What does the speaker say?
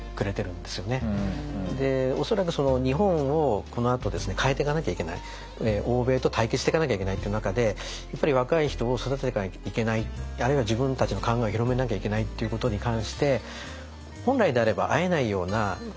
で恐らく日本をこのあと変えていかなきゃいけない欧米と対決していかなきゃいけないという中でやっぱり若い人を育てていかなきゃいけないあるいは自分たちの考えを広めなきゃいけないっていうことに関して本来であれば会えないような